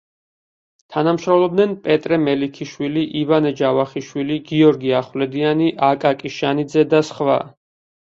თანამშრომლობდნენ პეტრე მელიქიშვილი, ივანე ჯავახიშვილი, გიორგი ახვლედიანი, აკაკი შანიძე და სხვა.